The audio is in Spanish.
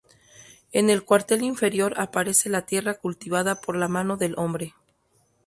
En el cuartel inferior, aparece la tierra cultivada por la mano del hombre.